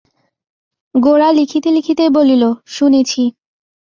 গোরা লিখিতে লিখিতেই বলিল, শুনেছি।